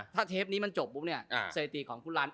ถ้าเทปนี้มันจบปุ๊บเนี่ยสถิติของคุณลัน